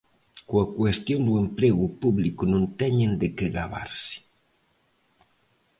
Coa cuestión do emprego público non teñen de que gabarse.